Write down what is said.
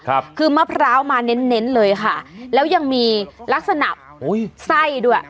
ครับคือมะพร้าวมาเน้นเน้นเลยค่ะแล้วยังมีลักษณะอุ้ยไส้ด้วย